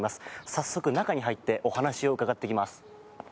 早速、中に入ってお話を伺ってきます。